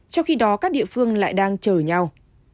trong khi đó các địa phương lại đang chờ nhau